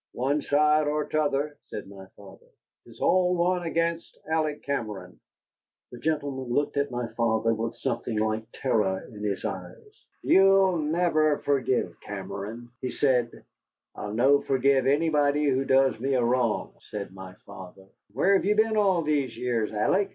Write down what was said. "One side or t'other," said my father, "'tis all one against Alec Cameron." The gentleman looked at my father with something like terror in his eyes. "You'll never forgive Cameron," he said. "I'll no forgive anybody who does me a wrong," said my father. "And where have you been all these years, Alec?"